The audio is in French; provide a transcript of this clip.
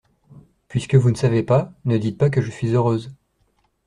Puisque vous ne savez pas, ne dites pas que je suis heureuse.